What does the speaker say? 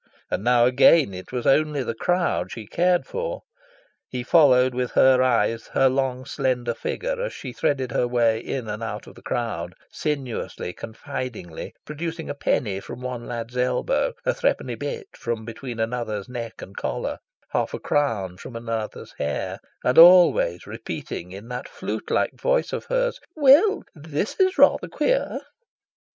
And now again it was only the crowd she cared for. He followed with his eyes her long slender figure as she threaded her way in and out of the crowd, sinuously, confidingly, producing a penny from one lad's elbow, a threepenny bit from between another's neck and collar, half a crown from another's hair, and always repeating in that flute like voice of hers "Well, this is rather queer!"